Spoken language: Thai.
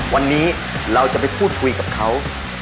วันนี้เราจะไปพูดคุยกับเขา